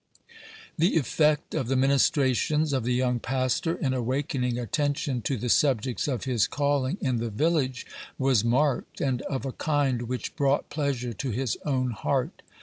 The effect of the ministrations of the young pastor, in awakening attention to the subjects of his calling in the village, was marked, and of a kind which brought pleasure to his own heart.